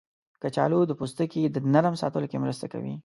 کچالو د پوستکي د نرم ساتلو کې مرسته کوي.